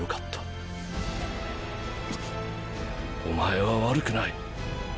お前は悪くない。